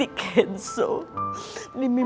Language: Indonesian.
limi berusaha untuk mencari kesalahan ibu